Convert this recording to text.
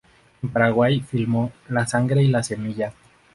En Paraguay filmó "La sangre y la semilla".